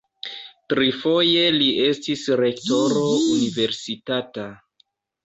Trifoje li estis rektoro universitata.